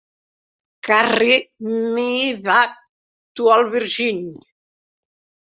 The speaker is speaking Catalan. "Carry me back to old Virginny."